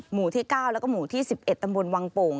หมู่ที่๙แล้วก็หมู่ที่๑๑ตำบลวังโป่ง